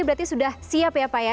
berarti sudah siap ya pak ya